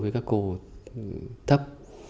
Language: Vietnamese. các cô thấp